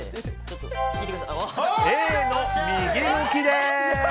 Ａの右向きです。